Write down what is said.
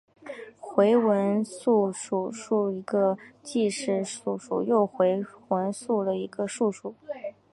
回文素数是一个既是素数又是回文数的整数。